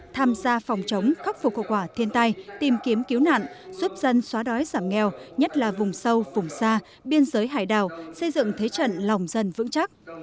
tham gia phòng chống khắc phục hậu quả thiên tai tìm kiếm cứu nạn giúp dân xóa đói giảm nghèo nhất là vùng sâu vùng xa biên giới hải đảo xây dựng thế trận lòng dân vững chắc